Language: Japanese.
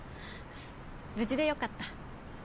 無事で良かった。